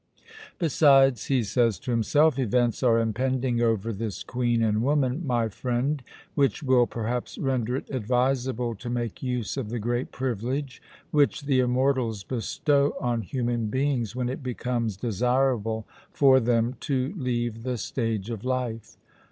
Besides, he says to himself: 'Events are impending over this Queen and woman, my friend, which will perhaps render it advisable to make use of the great privilege which the immortals bestow on human beings when it becomes desirable for them to leave the stage of life.